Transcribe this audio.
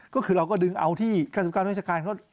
ก็คือเราก็ดึงเอาที่๙๙นักวิชาการ